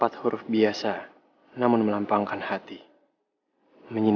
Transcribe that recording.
tapi aku selalu bernyata langit